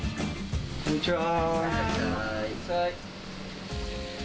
こんにちは。